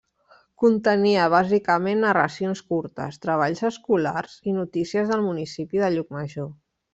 Contenia bàsicament narracions curtes, treballs escolars i notícies del municipi de Llucmajor.